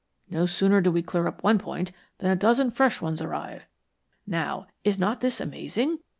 No sooner do we clear up one point than a dozen fresh ones arrive. Now, is not this amazing?